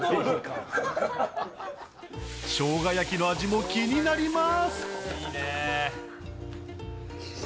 ショウガ焼きの味も気になります。